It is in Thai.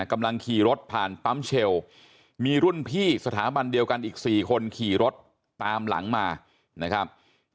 กำลังขี่รถผ่านปั๊มเชลมีรุ่นพี่สถาบันเดียวกันอีก๔คนขี่รถตามหลังมานะครับ